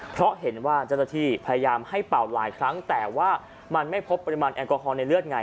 เพราะเห็นว่าเจ้าหน้าที่พยายามให้เป่าหลายครั้งแต่ว่ามันไม่พบปริมาณแอลกอฮอลในเลือดไง